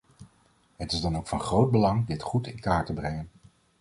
Het is dan ook van groot belang dit goed in kaart te brengen.